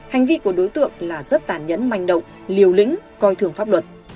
hành vi của đối tượng là rất tàn nhẫn manh động liều lĩnh coi thường pháp luật